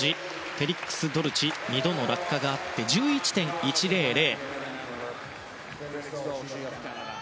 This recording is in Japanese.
フェリックス・ドルチ２度の落下があって１１．１００。